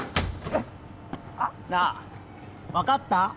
なあ分かった？